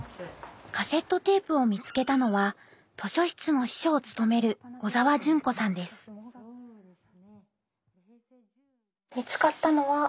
カセットテープを見つけたのは図書室の司書を務める見つかったのは。